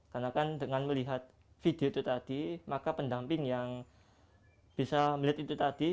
karena kan dengan melihat video itu tadi maka pendamping yang bisa melihat itu tadi